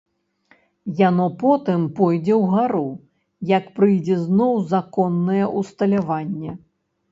Яно потым пойдзе ўгару, як прыйдзе зноў законнае ўсталяванне.